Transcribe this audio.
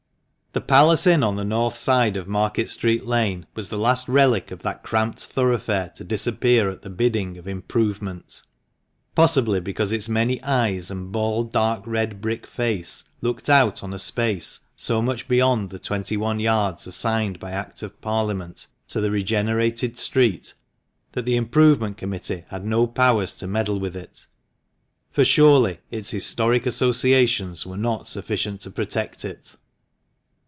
HE "Palace Inn" on the north side of Market Street Lane was the last relic of that cramped thoroughfare to dis appear at the bidding of Improvement. Possibly, be cause its many eyes and bald dark red brick face looked out on a space so much beyond the twenty one yards assigned by Act of Parliament to the regenerated street that the Improvement Committee had no powers to meddle with it, for surely its historic associations were not sufficient to protect it.